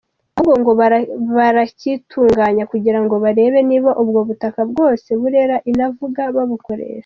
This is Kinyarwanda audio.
Ahubwo ngo “Barakitunganya kugira ngo barebe niba ubwo butaka bwose Burera inavuga babukoresha.